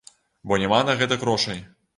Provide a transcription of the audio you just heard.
Бо няма на гэта грошай.